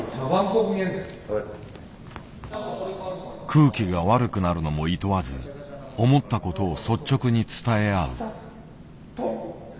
空気が悪くなるのもいとわず思ったことを率直に伝え合う。